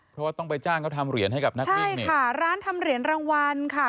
เพราะว่าต้องไปจ้างเขาทำเหรียญให้กับนักวิ่งนี่ค่ะร้านทำเหรียญรางวัลค่ะ